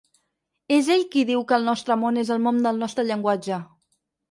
És ell qui diu que el nostre món és el món del nostre llenguatge.